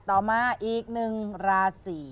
ต่อมาราศรี